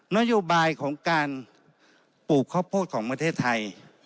นโยบายของการปลูกข้าวโพดของประเทศไทย